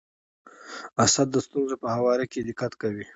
اسد د ستونزو په هواري کي دقت کوي.